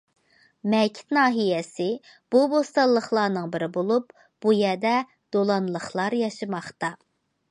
مەكىت ناھىيەسى بۇ بوستانلىقلارنىڭ بىرى بولۇپ، بۇ يەردە« دولانلىقلار» ياشىماقتا.